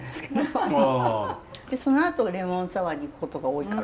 でそのあとレモンサワーにいくことが多いから。